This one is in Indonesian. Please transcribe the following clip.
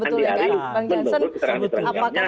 menurut keserahan itu